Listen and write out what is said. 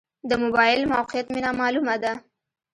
د موبایل موقعیت مې نا معلومه ده.